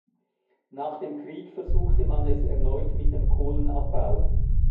Nach dem Krieg versuchte man es erneut mit dem Kohlenabbau.